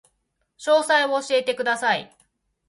詳細を教えてください